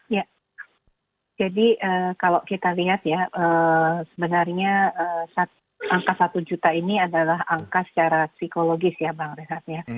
ya jadi kalau kita lihat ya sebenarnya angka satu juta ini adalah angka secara psikologis ya bang rehat ya